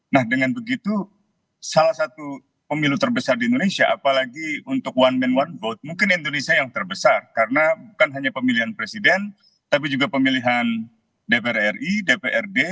nah dengan begitu salah satu pemilu terbesar di indonesia apalagi untuk one man one vote mungkin indonesia yang terbesar karena bukan hanya pemilihan presiden tapi juga pemilihan dpr ri dprd